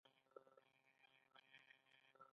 په مهمو مسايلو باندې کوي .